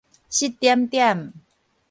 失點點